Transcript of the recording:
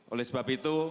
oleh sebab itu